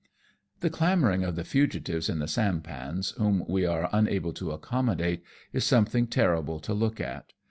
The clamouring of the fugitives in the sampans, whom we are unable to accommodate, is something terrible to look at.